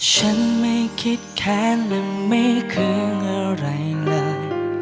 ฉันไม่คิดแค่นึงไม่เครื่องอะไรเลย